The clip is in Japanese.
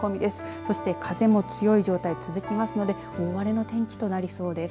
そして風も強い状態続きますので大荒れの天気となりそうです。